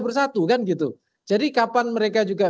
bersatu kan gitu jadi kapan mereka juga